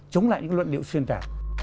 chống lại những luận điệu xuyên trả